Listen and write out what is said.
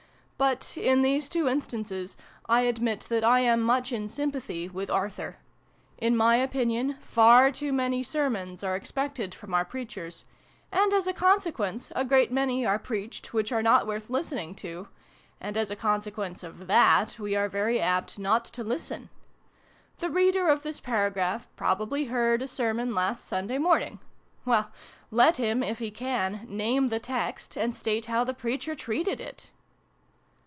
But, in these two instances, I admit that I am much in sympathy with ' Arthur.' In my opinion, far too many sermons are expected from our preachers ; and, as a consequence, a great many are preached, which are not worth listening to ; and, as a consequence of that, we are very apt not to listen. The reader of this paragraph probably heard a sermon last Sunday morning ? Well, let him, if he can, name the text, and state how the preacher treated it